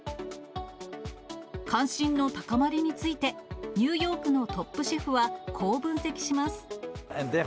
関心の高まりについて、ニューヨークのトップシェフは、こう分析します。